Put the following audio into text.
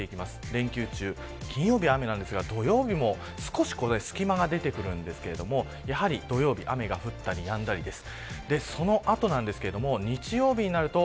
連休中、金曜日雨ですが土曜日も少し隙間が出てくるんですがやはり土曜日雨が降ったりやんだりです。